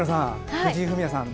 藤井フミヤさん